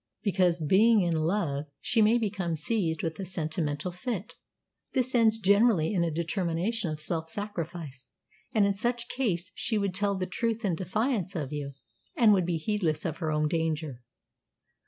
"Because, being in love, she may become seized with a sentimental fit. This ends generally in a determination of self sacrifice; and in such case she would tell the truth in defiance of you, and would be heedless of her own danger."